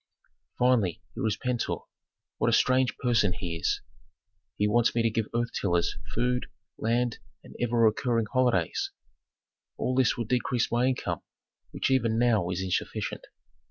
"Finally here is Pentuer. What a strange person he is! He wants me to give earth tillers food, land, and ever recurring holidays. All this would decrease my income, which even now is insufficient.